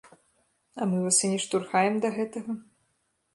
А мы вас і не штурхаем да гэтага.